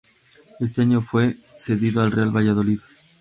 Ese año fue cedido al Real Valladolid.